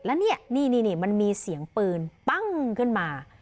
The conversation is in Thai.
แล้วเนี่ยนี่นี่นี่มันมีเสียงปืนปั้งขึ้นมา